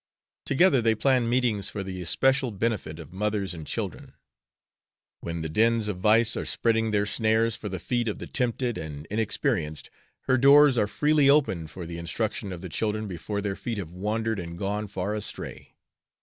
Together they planned meetings for the especial benefit of mothers and children. When the dens of vice are spreading their snares for the feet of the tempted and inexperienced her doors are freely opened for the instruction of the children before their feet have wandered and gone far astray.